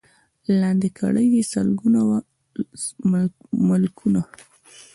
لاندي کړي یې سلګونه وه ملکونه